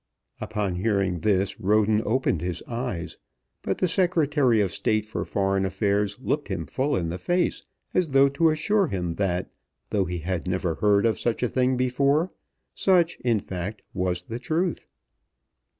Upon hearing this Roden opened his eyes; but the Secretary of State for Foreign Affairs looked him full in the face as though to assure him that, though he had never heard of such a thing before, such, in fact, was the truth.